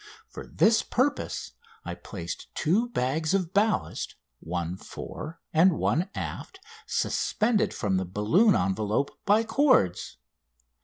For this purpose I placed two bags of ballast, one fore and one aft, suspended from the balloon envelope by cords.